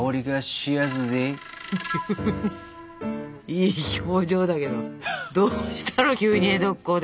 いい表情だけどどうしたの急に江戸っ子で。